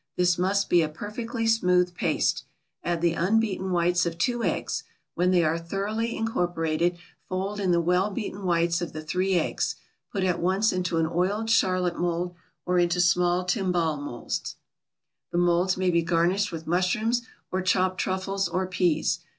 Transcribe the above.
This must be a perfectly smooth paste. Add the unbeaten whites of two eggs; when they are thoroughly incorporated, fold in the well beaten whites of the three eggs. Put at once into an oiled Charlotte mold or into small timbale molds. The molds may be garnished with mushrooms, or chopped truffles, or peas.